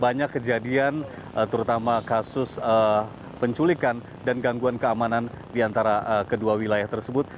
banyak kejadian terutama kasus penculikan dan gangguan keamanan di antara kedua wilayah tersebut